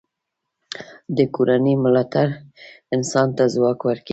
د کورنۍ ملاتړ انسان ته ځواک ورکوي.